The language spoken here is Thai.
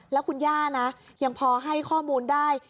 แล้วคุณย่านะยังพอให้ข้อมูลได้